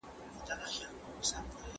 ایا په ژبپوهنه کي کافي څېړني سوي ده؟